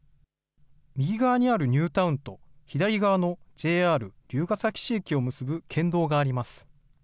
右側にあるニュータウンと、左側のＪＲ龍ケ崎市駅を結ぶ県道があります。